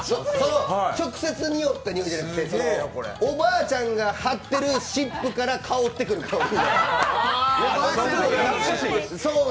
直接におったんじゃなくて、おばあちゃんが貼ってるのが香ってくる香り。